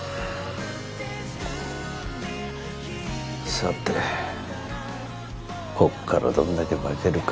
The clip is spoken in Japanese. さてこっからどんだけ化けるか？